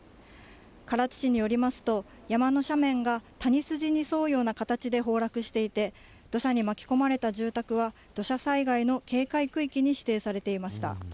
唐津市によりますと、山の斜面が谷筋に沿うような形で崩落していて、土砂に巻き込まれた住宅は、土砂災害の警戒区域に指定されていました。